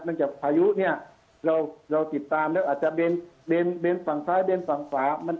จากพายุเนี่ยเราติดตามแล้วอาจจะเบนฝั่งซ้ายเบนฝั่งขวา